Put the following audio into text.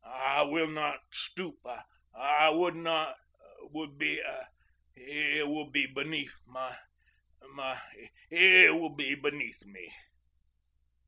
I will not stoop I would not would be it would be beneath my my it would be beneath me."